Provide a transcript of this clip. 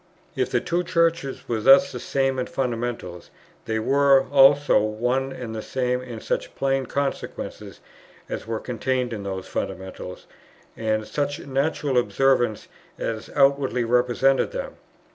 If the two Churches were thus the same in fundamentals, they were also one and the same in such plain consequences as were contained in those fundamentals and in such natural observances as outwardly represented them.